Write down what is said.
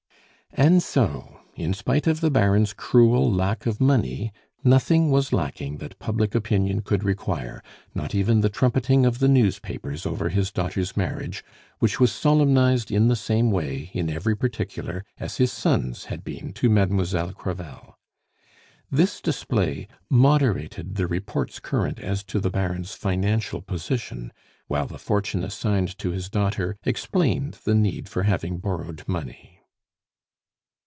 And so, in spite of the Baron's cruel lack of money, nothing was lacking that public opinion could require, not even the trumpeting of the newspapers over his daughter's marriage, which was solemnized in the same way, in every particular, as his son's had been to Mademoiselle Crevel. This display moderated the reports current as to the Baron's financial position, while the fortune assigned to his daughter explained the need for having borrowed money.